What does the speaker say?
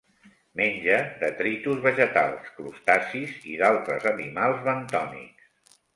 Menja detritus vegetals, crustacis i d'altres animals bentònics.